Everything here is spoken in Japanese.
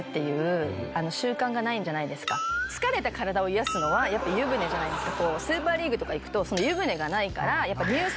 疲れた体を癒やすのはやっぱ湯船じゃないですか。